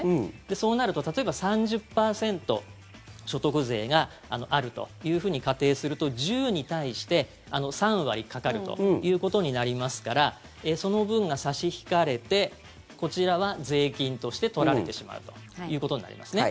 そうなると例えば３０％所得税があると仮定すると１０に対して、３割かかるということになりますからその分が差し引かれてこちらは税金として取られてしまうということになりますね。